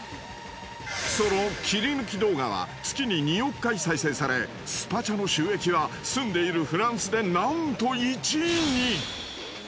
その切り抜き動画は月に２億回再生されスパチャの収益は住んでいるフランスでなんと１位に！